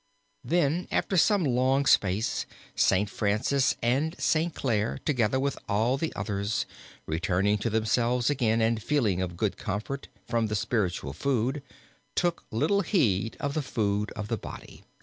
Then after some long space. Saint Francis and Saint Clare, together with all the others, returning to themselves again and feeling of good comfort from the spiritual food took little heed of the food of the body.